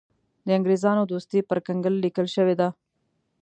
د انګرېزانو دوستي پر کنګل لیکل شوې ده.